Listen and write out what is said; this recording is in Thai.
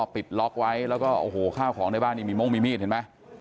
ปิดล็อกไว้แล้วก็โอ้โหข้าวของในบ้านนี่มีม่วงมีมีดเห็นไหม